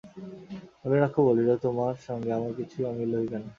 নলিনাক্ষ কহিল, তোমার সঙ্গে আমার কিছুই অমিল হইবে না।